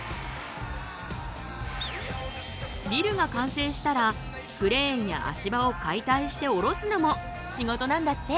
ビルが完成したらクレーンや足場を解体して降ろすのも仕事なんだって。